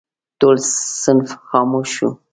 ټول صنف خاموش شو.